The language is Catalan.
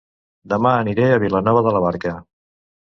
Dema aniré a Vilanova de la Barca